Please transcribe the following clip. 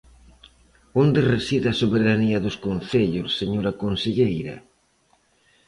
¿Onde reside a soberanía dos concellos, señora conselleira?